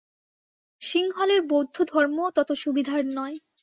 সিংহলের বৌদ্ধধর্মও তত সুবিধার নয়।